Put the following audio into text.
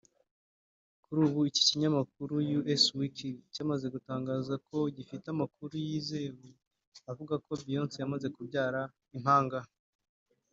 Kuri ubu iki kinyamakuru (Us Weekly) cyamaze gutangaza ko gifite amakuru yizewe avuga ko Beyonce yamaze kubyara impanga